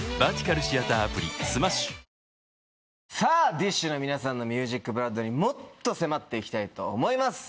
ＤＩＳＨ／／の皆さんのＭＵＳＩＣＢＬＯＯＤにもっと迫って行きたいと思います。